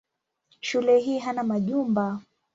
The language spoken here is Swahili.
Shule hii hana majumba.